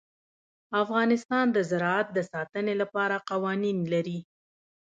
افغانستان د زراعت د ساتنې لپاره قوانین لري.